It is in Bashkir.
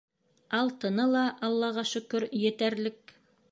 Алтыны ла, аллаға шөкөр, етәрлек.